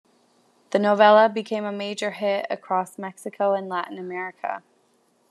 The novela became a major hit across Mexico and Latin America.